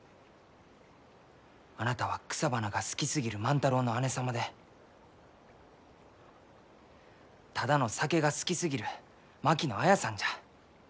あなたは草花が好きすぎる万太郎の姉様でただの酒が好きすぎる槙野綾さんじゃ。